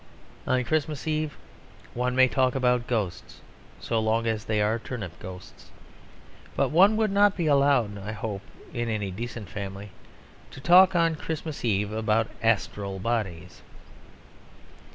On Christmas Eve one may talk about ghosts so long as they are turnip ghosts. But one would not be allowed (I hope, in any decent family) to talk on Christmas Eve about astral bodies.